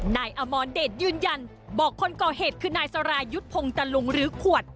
นายอมรเดชยืนยันบอกคนก่อเหตุคือนายสรายุทธ์พงตะลุงหรือขวด